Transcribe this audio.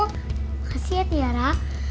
makasih ya tiara